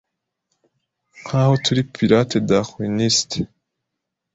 nkaho turi Pirate Darwiniste